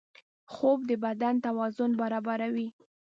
خوب د بدن توازن برابروي